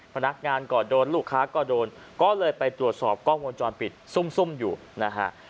พนักงานก็โดนลูกค้าก็โดนก็เลยไปตรวจสอบกล้องวงจรปิดซุ่มอยู่นะฮะ